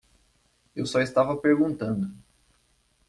Eu só estava perguntando.